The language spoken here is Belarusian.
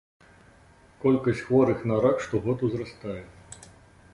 Колькасць хворых на рак штогод узрастае.